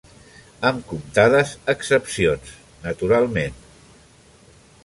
Amb comptades excepcions, naturalment.